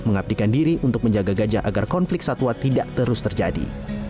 mengabdikan diri untuk menjaga gajah agar konflik satwa tidak terus terjadi